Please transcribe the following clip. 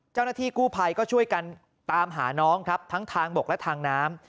เจ้าหน้าที่กู้ภัยก็ช่วยกันตามหาน้องครับทั้งทางบกและทางน้ำ